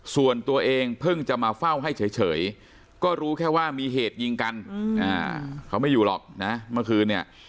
ส่วนตัวเองเพิ่งจะมาเฝ้าให้เฉยก็รู้แค่ว่ามีเหตุยิงกันเขาไม่อยู่หรอกนะเมื่อคืนเนี่ย